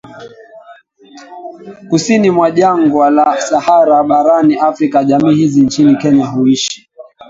Kusini mwa Jangwa la Sahara barani Afrika Jamii hizi nchini Kenya huishi